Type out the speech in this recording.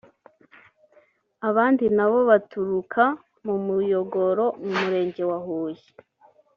abandi na bo baturuka mu Muyogoro (Mu Murenge wa Huye)